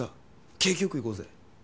景気よくいこうぜ。